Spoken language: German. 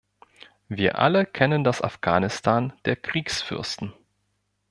Wir alle kennen das Afghanistan der Kriegsfürsten.